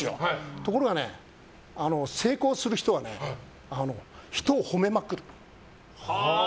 ところがね、成功する人はね人を褒めまくる。